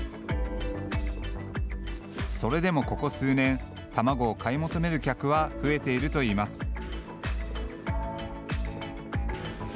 それでも、ここ数年卵を買い求める客は増えているといいます。